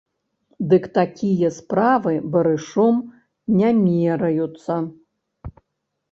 Дык такія справы барышом не мераюцца.